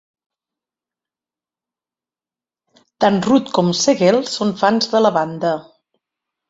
Tant Rudd com Segel són fans de la banda.